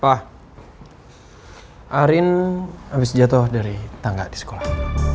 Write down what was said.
wah arin habis jatuh dari tangga di sekolah